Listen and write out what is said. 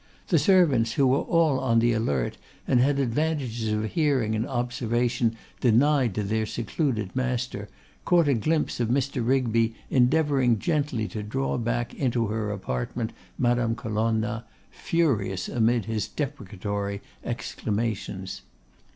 The servants, who were all on the alert, and had advantages of hearing and observation denied to their secluded master, caught a glimpse of Mr. Rigby endeavouring gently to draw back into her apartment Madame Colonna, furious amid his deprecatory exclamations.